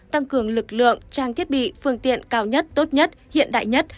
tăng cường lực lượng trang thiết bị phương tiện cao nhất tốt nhất hiện đại nhất